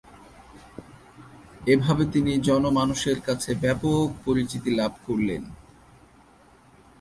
এভাবে তিনি জন মানুষের কাছে ব্যাপকভাবে পরিচিত লাভ করলেন।